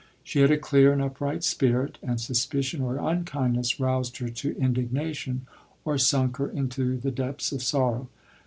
She had a clear and upright spirit, and suspicion or unkindness roused her to in dignation, or sunk her into the depths of sor row.